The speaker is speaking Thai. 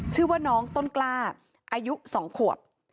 ชื่อว่าน้องต้นกล้าอายุ๒ขวบ